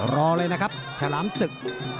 รอเลยนะครับฉลามศึก